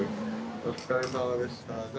お疲れさまでした。